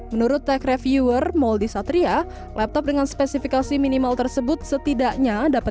menurut tech reviewer mouldie satria laptop dengan spesifikasi minimal tersebut setidaknya dapat